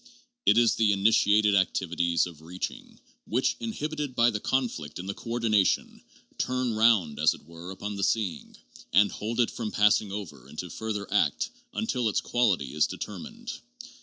It is the initiated activities of reaching, which, inhibited by the conflict in the coordination, turn round, as it were, upon the seeing, and hold it from passing over into further act until its quality is de termined.